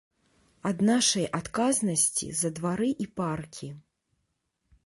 Ад нашай адказнасці за двары і паркі.